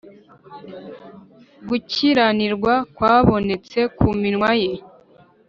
gukiranirwa kwabonetse ku minwa ye.